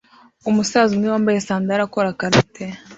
Umusaza umwe wambaye sandali akora karate